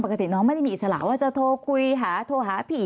พี่สละว่าจะโทรคุยหาโทรหาผี